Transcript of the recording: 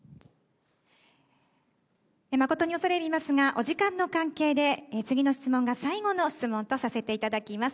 誠に恐れ入りますが、お時間の関係で、次の質問が最後の質問とさせていただきます。